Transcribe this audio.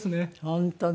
本当ね。